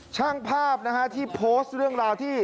ช่างภาพนะฮะที่โพสต์เรื่องราวที่